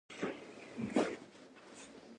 د میرمنو کار او تعلیم مهم دی ځکه چې سولې بنسټ جوړوي.